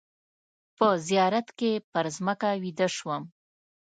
په زیارت کې پر مځکه ویده شوم.